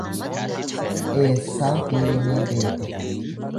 eessaa deemee beeka?